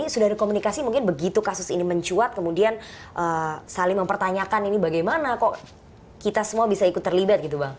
sudah ada komunikasi mungkin begitu kasus ini mencuat kemudian saling mempertanyakan ini bagaimana kok kita semua bisa ikut terlibat gitu bang